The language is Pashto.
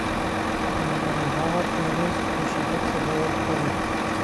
او هغه پرهېز په شدت سره رعایت کړي.